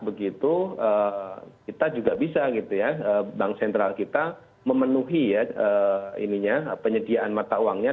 begitu kita juga bisa bank sentral kita memenuhi penyediaan mata uangnya